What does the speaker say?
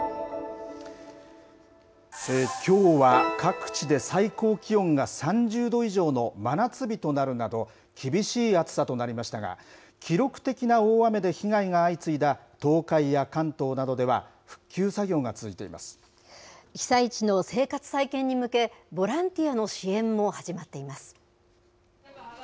きょうは各地で最高気温が３０度以上の真夏日となるなど、厳しい暑さとなりましたが、記録的な大雨で被害が相次いだ東海や関東などでは、被災地の生活再建に向け、ボランティアの支援も始まっています。